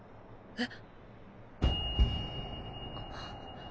えっ？